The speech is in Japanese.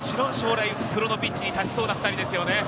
もちろん将来、プロのピッチに立ちそうな２人ですね。